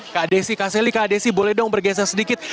kak desi kak selly kak desi boleh dong bergeser sedikit